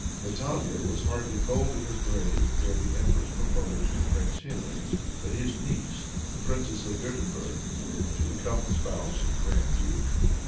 Natalia was hardly cold in her grave ere the empress proposed to Prince Henry, that his niece, the princess of Wirtemberg, should become the spouse of the grand duke.